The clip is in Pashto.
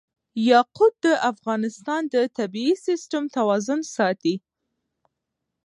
یاقوت د افغانستان د طبعي سیسټم توازن ساتي.